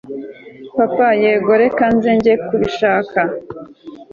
papa yego reka nze njye kubishaka